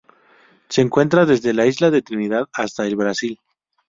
Se encuentra desde la Isla de Trinidad hasta el Brasil.